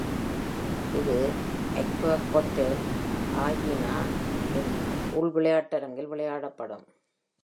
இது AccorHotels Arena-வின் உள் விளையாட்டரங்கில் விளையாடப்படும்.